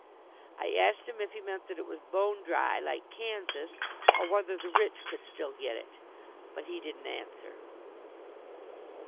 I asked him if he meant that it was "bone dry" like Kansas, or whether the rich could still get it? But he didn't answer.